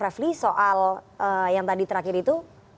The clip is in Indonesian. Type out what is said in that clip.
refli soal yang tadi terakhir itu